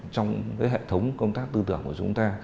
trong hệ thống công tác tư tưởng của chúng ta